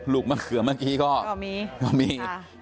ลูกม่างเขือเมื่อกี้ก็มี